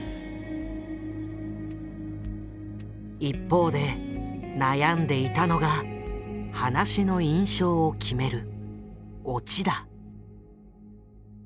一方で悩んでいたのが噺の印象を決めるオチだ。